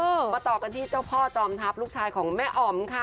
มาต่อกันที่เจ้าพ่อจอมทัพลูกชายของแม่อ๋อมค่ะ